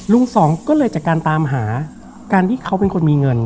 สองก็เลยจากการตามหาการที่เขาเป็นคนมีเงิน